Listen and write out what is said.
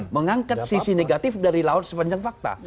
mengangkat sisi negatif dari lawan sepanjang fakta